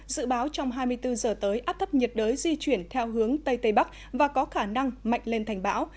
dự báo trong hai mươi bốn giờ tới áp thấp nhiệt đới di chuyển theo hướng tây tây bắc và có khả năng mạnh lên thành bão